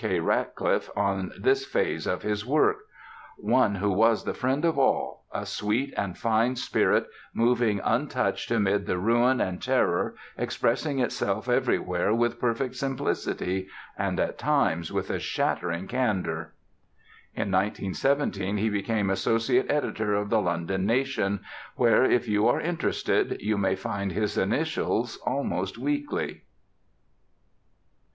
K. Ratcliffe on this phase of his work: "One who was the friend of all, a sweet and fine spirit moving untouched amid the ruin and terror, expressing itself everywhere with perfect simplicity, and at times with a shattering candor." In 1917 he became associate editor of the London Nation, where, if you are interested, you may find his initials almost weekly.